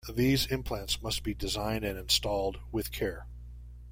These implants must be designed and installed with care.